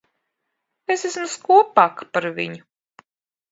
Es esmu skopāka par viņu.